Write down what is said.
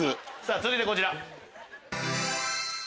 続いてこちら。